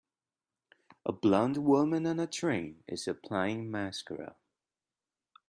A blond woman on a train is applying mascara.